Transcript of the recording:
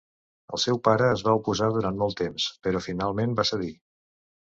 El seu pare es va oposar durant molt temps, però finalment va cedir.